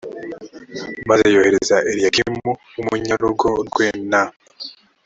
maze yohereza eliyakimu w umunyarugo rwe na